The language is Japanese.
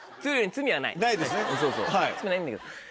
罪はないんだけど。